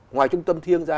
ngoài trung tâm thiêng ra